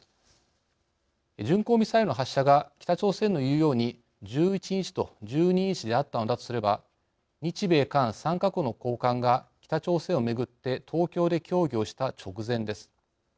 巡航ミサイルの発射が北朝鮮のいうように１１日と１２日であったのだとすれば日米韓３か国の高官が北朝鮮をめぐって東京で協議をした直前です。